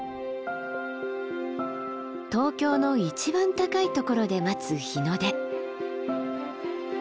東京の一番高いところで待つ日の出。